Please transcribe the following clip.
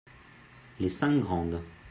Les cinq grandes.